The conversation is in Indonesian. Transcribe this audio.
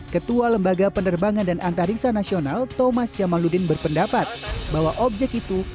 ketua lembaga penerbangan dan antariksa nasional thomas jamaludin berpendapat bahwa objek itu